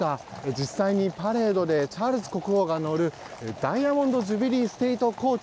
実際にパレードでチャールズ国王が乗るダイヤモンド・ジュビリー・ステート・コーチ。